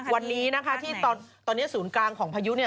วันนี้นะคะที่ตอนนี้ศูนย์กลางของพายุเนี่ย